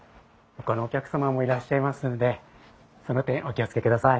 ほかのお客様もいらっしゃいますのでその点お気を付けください。